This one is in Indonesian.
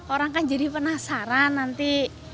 orang kan jadi penasaran nanti